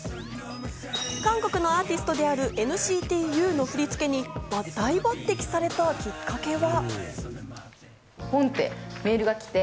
韓国のアーティストであり、ＮＣＴＵの振り付けに大抜擢されたきっかけは。